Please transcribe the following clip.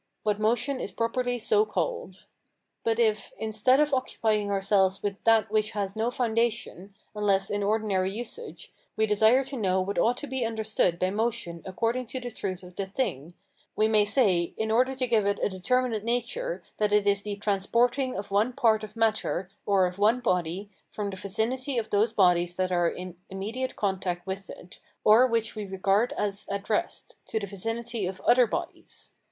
What motion is properly so called. But if, instead of occupying ourselves with that which has no foundation, unless in ordinary usage, we desire to know what ought to be understood by motion according to the truth of the thing, we may say, in order to give it a determinate nature, that it is THE TRANSPORTING OF ONE PART OF MATTER OR OF ONE BODY FROM THE VICINITY OF THOSE BODIES THAT ARE IN IMMEDIATE CONTACT WITH IT, OR WHICH WE REGARD AS AT REST, to the vicinity of other bodies.